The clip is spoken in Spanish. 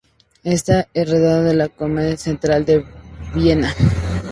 Está enterrado en el Cementerio Central de Viena.